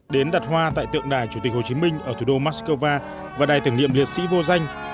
đến đặt hoa tại tượng đài chủ tịch hồ chí minh ở thủ đô moscow và đài tưởng niệm liệt sĩ vô danh